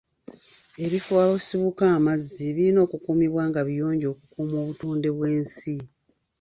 Ebifo awasibuka amazzi birina okukuumiwa nga biyonjo okukuuma obutonde bw'ensi.